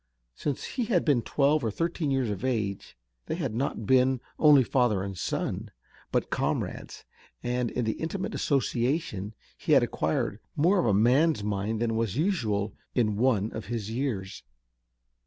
Since he had been twelve or thirteen years of age, they had been not only father and son, but comrades, and, in the intimate association, he had acquired more of a man's mind than was usual in one of his years.